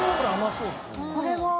これは？